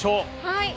はい。